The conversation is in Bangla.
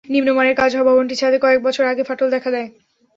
নিম্নমানের কাজ হওয়ায় ভবনটির ছাদে কয়েক বছর আগে ফাটল দেখা দেয়।